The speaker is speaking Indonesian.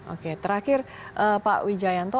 oke terakhir pak wijayanto